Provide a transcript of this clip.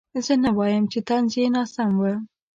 زه نه وایم چې طنز یې ناسم و.